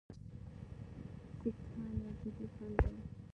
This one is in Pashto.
سیکهان یو جدي خنډ دی.